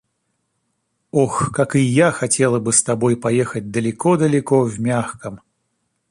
– Ох, как и я хотела бы с тобой поехать далеко-далеко в мягком!..